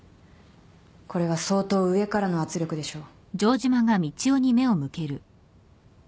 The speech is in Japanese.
これは相当上からの圧力でしょう。